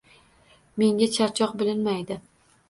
Menga charchoq bilinmaydi